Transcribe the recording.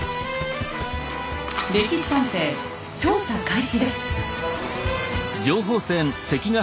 「歴史探偵」調査開始です。